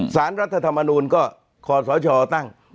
สารรัฐธรรมนูลก็ขอสชตั้ง